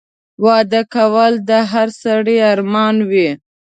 واده کول د هر سړي ارمان وي